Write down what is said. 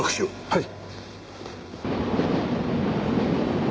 はい！